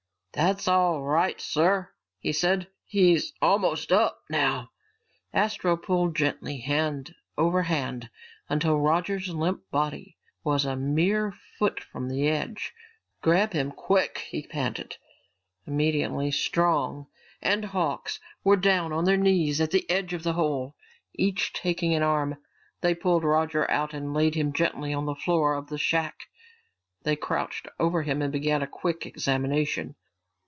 "That's all right, sir," he said. "He's almost up now." Astro pulled gently, hand over hand, until Roger's limp body was a mere foot from the edge. "Grab him, quick!" he panted. Immediately Strong and Hawks were down on their knees at the edge of the hole. Each taking an arm, they pulled Roger out and laid him gently on the floor of the shack. They crouched over him and began a quick examination.